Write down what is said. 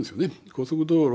高速道路